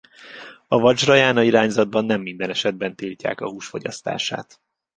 A vadzsrajána irányzatban nem minden esetben tiltják a hús fogyasztását.